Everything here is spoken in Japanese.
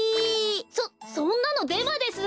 そそんなのデマです！